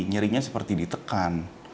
nyerinya seperti ditekan